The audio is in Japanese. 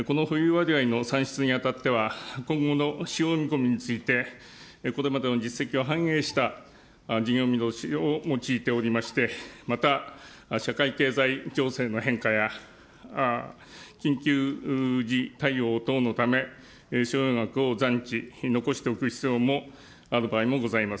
この保有割合の算出にあたっては、今後の使用見込みについてこれまでの実績を反映した事業見通しを用いておりまして、また、社会経済情勢の変化や、緊急時対応等のため、所要額を残置残しておく必要もある場合もございます。